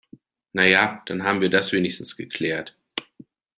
Na ja, dann haben wir das wenigstens geklärt.